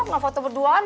enggak foto berduaan